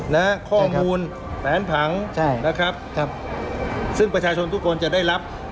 และข้อมูลแผนผังนะครับซึ่งประชาชนทุกคนจะได้รับ